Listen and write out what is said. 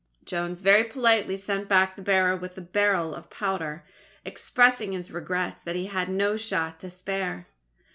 Jones very politely sent back the bearer with a barrel of powder expressing his regrets that he had no shot to spare.